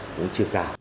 vốn chưa cả